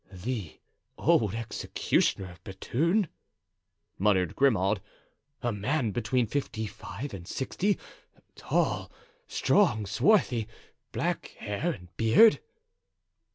"The old executioner of Bethune," muttered Grimaud; "a man between fifty five and sixty, tall, strong, swarthy, black hair and beard?"